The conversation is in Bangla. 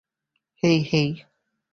হেই, হেই।